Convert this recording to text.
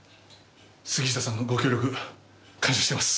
杉下さんのご協力感謝してます。